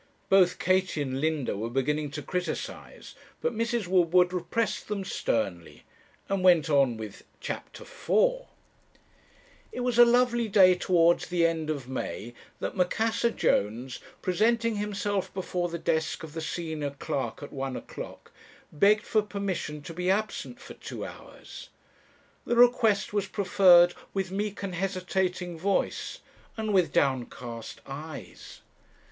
Both Katie and Linda were beginning to criticize, but Mrs. Woodward repressed them sternly, and went on with "CHAPTER IV "'It was a lovely day towards the end of May that Macassar Jones, presenting himself before the desk of the senior clerk at one o'clock, begged for permission to be absent for two hours. The request was preferred with meek and hesitating voice, and with downcast eyes.